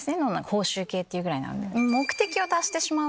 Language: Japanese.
報酬系っていうぐらいなので。